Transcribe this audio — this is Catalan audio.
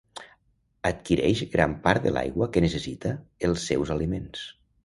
Adquireix gran part de l'aigua que necessita els seus aliments.